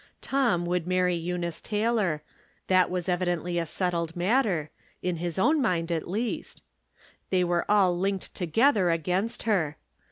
Tom would marry Eunice Taylor — that was evidently a settled matter, in Ins own mind at least. They were all linked together against her.